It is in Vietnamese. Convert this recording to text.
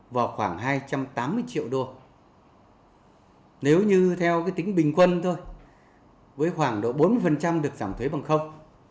với khoảng độ bốn mươi được giảm thuế bằng không